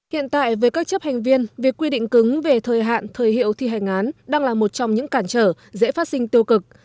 hiện tại với các chấp hành viên việc quy định cứng về thời hạn thời hiệu thi hành án đang là một trong những cản trở dễ phát sinh tiêu cực